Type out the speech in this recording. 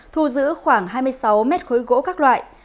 thu giữ khoảng hai mươi sáu triệu đồng